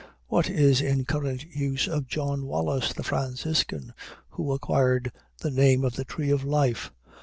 What is in current use of John Wallis, the Franciscan, who acquired the name of the tree of life?